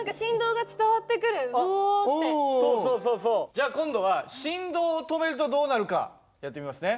じゃあ今度は振動を止めるとどうなるかやってみますね。